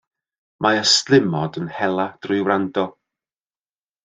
Mae ystlumod yn hela drwy wrando.